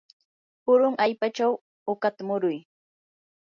purun allpachaw uqata muruy.